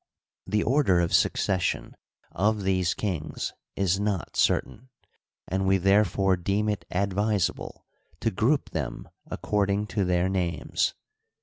The order of succession of these kings is not certain, and we therefore deem it ad visable to group them according to their names.